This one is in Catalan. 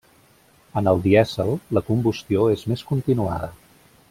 En el dièsel, la combustió és més continuada.